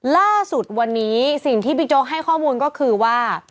ล่าสุดวันนี้สิ่งที่บิ๊กโจ๊กให้ข้อมูลก็คือว่า